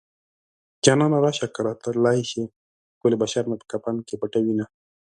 جانانه راشه که راتلی شې ښکلی بشر مې په کفن کې پټوينه